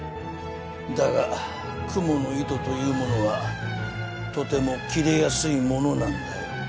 だがクモの糸というものはとても切れやすいものなんだよ。